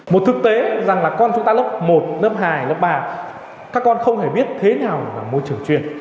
một thực tế rằng là con chúng ta lớp một lớp hai lớp ba các con không hề biết thế nào là môi trường chuyên